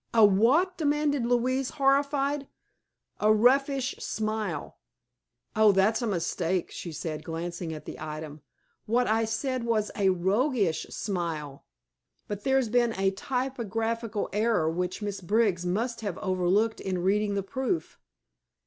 '" "A what?" demanded Louise, horrified. "A 'roughish' smile." "Oh; that's a mistake," she said, glancing at the item. "What I said was a 'roguish' smile; but there's been a typographical error which Miss Briggs must have overlooked in reading the proof."